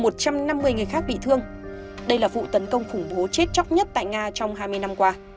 đây là vụ tấn công khủng bố chết chóc nhất tại nga trong hai mươi năm qua